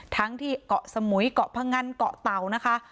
ทั้งที่เกาะสมุยเกาะพงันเกาะเต่านะคะ